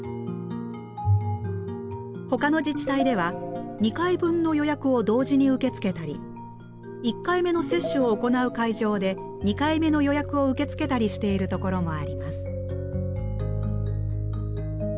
ほかの自治体では２回分の予約を同時に受け付けたり１回目の接種を行う会場で２回目の予約を受け付けたりしているところもあります。